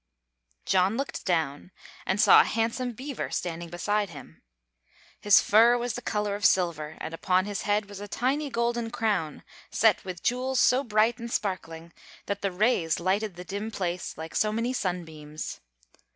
John looked down, and saw a handsome beaver standing beside him. His fur was the color of silver, and upon his head was a tiny golden crown set with jewels so bright and sparkling that the rays lighted the dim place like so many sunbeams.